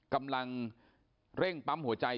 กำลังเร่งปั๊มหัวใจ